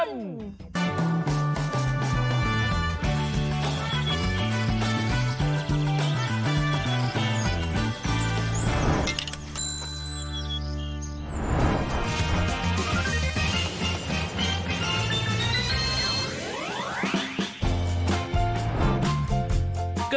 มค